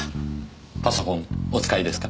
パソコンお使いですか？